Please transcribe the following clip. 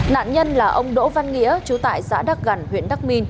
nạn nhân là ông đỗ văn nghĩa trú tại xã đắc gần